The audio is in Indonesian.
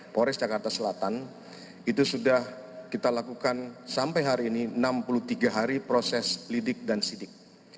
polres jakarta selatan itu sudah kita lakukan sampai hari ini enam puluh tiga hari proses lidik dan sidik